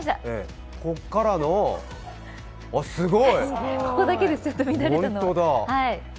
ここからの、あっ、すごい。